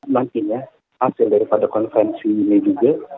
nantinya hasil daripada konferensi ini juga